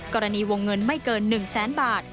กรณีวงเงินไม่เกิน๑แสนบาท